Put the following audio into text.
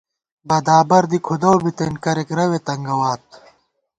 بدابر دی کُھدَؤ بِتېن ، کرېک رَوے تنگَوات